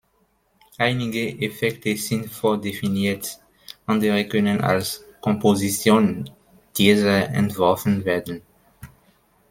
Einige Effekte sind vordefiniert, andere können als Komposition dieser entworfen werden.